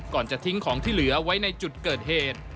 จะทิ้งของที่เหลือไว้ในจุดเกิดเหตุ